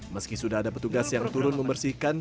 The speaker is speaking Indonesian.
meski sudah ada petugas yang turun membersihkan